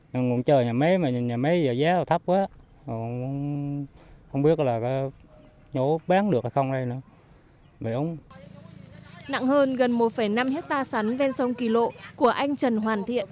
nặng hơn gần một năm hectare sắn ven sông kỳ lộ của anh trần hoàn thiện